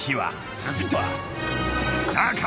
続いては。